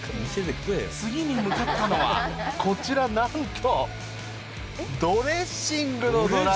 次に向かったのはこちらなんと。